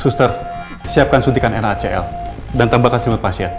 suster siapkan suntikan nacl dan tambahkan simul pasien